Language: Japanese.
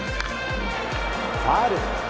ファウル。